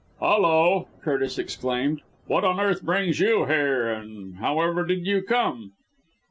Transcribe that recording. "Hulloa!" Curtis exclaimed. "What on earth brings you here, and however did you come?"